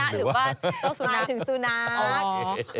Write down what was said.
หมายถึงสุนัข